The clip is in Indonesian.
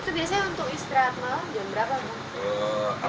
itu biasanya untuk istirahat malam jam berapa bu